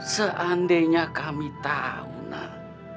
seandainya kami tahu nak